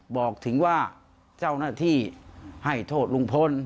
บอกถึงว่าเจ้าหน้าที่ให้โทษลุงพล